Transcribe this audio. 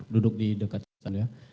duduk di dekat sana